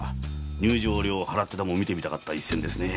入場料を払ってでも見てみたかった一戦ですねぇ。